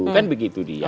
kan begitu dia